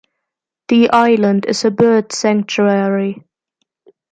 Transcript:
The island is a bird sanctuary.